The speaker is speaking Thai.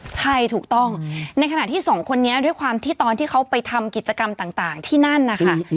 ใช่ถูกต้องในขณะที่สองคนนี้ด้วยความที่ตอนที่เขาไปทำกิจกรรมต่างที่นั่นนะคะ